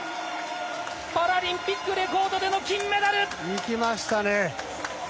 パラリンピックレコードでの金メダル。いきましたね。